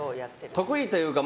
得意というか